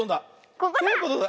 ここだ！